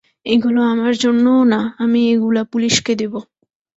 এগুলো আমার জন্যও না, আমি এগুলা পুলিশকে দেব।